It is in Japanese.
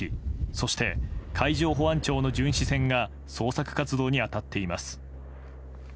そして、海上保安庁の巡視船が捜索活動に当たっています。